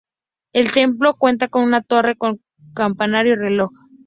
El templo cuenta con una torre con campanario y reloj.